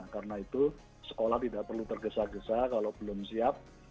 karena itu sekolah tidak perlu tergesa gesa kalau belum siap